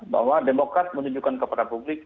bahwa demokrat menunjukkan kepada publik